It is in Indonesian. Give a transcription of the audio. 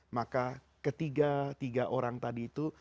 maka ketiga tiga orang tadi itu